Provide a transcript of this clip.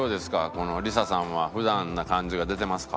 この理紗さんは普段な感じが出てますか？